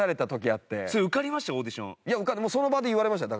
いやその場で言われました。